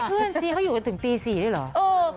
เพื่อนซิเขาอยู่ถึงตีสี่อีกเหรอ